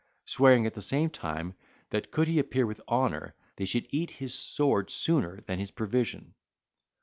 swearing at the same time, that could he appear with honour, they should eat his sword sooner than his provision.